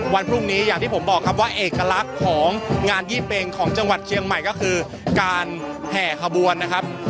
วันพรุ่งนี้อย่างที่ผมบอกครับว่าเอกลักษณ์ของงานยี่เป็งของจังหวัดเชียงใหม่ก็คือการแห่ขบวนนะครับ